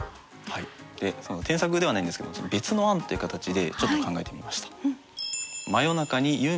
添削ではないんですけども別の案っていう形でちょっと考えてみました。